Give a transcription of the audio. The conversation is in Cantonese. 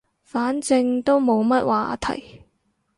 反正都冇乜話題